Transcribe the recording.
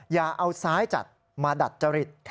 อย่าเอาซ้ายจัดมาดัดจริต